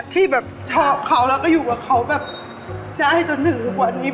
ที่ชอบเขาแล้วก็อยู่กับเขาได้จนถึงทุกวันนี้